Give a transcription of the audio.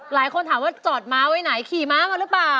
หลายคนถามว่าจอดม้าไว้ไหนขี่ม้ามาหรือเปล่า